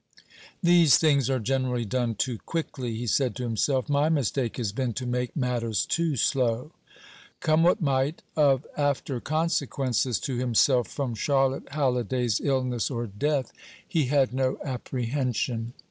"These things are generally done too quickly," he said to himself. "My mistake has been to make matters too slow." Come what might, of after consequences to himself from Charlotte Halliday's illness or death he had no apprehension.